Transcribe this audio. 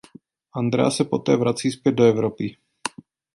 Andrea se poté vrací zpět do Evropy.